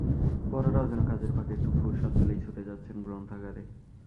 বড়রাও যেন কাজের ফাঁকে একটু ফুরসত পেলেই ছুটে যাচ্ছেন গ্রন্থাগারে।